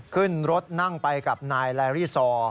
ขึ้นรถนั่งไปกับนายแลรี่ซอ